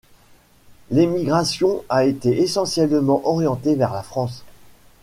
L'émigration a été essentiellement orientée vers la France.